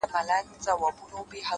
o زما کور ته چي راسي زه پر کور يمه،